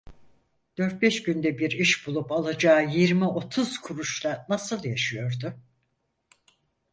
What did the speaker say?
Dört beş günde bir iş bulup alacağı yirmi otuz kuruşla nasıl yaşıyordu?